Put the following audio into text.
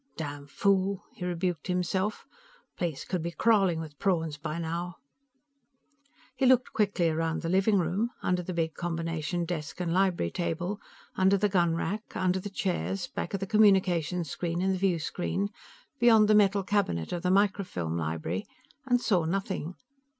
"Damn fool!" he rebuked himself. "Place could be crawling with prawns by now." He looked quickly around the living room under the big combination desk and library table, under the gunrack, under the chairs, back of the communication screen and the viewscreen, beyond the metal cabinet of the microfilm library and saw nothing.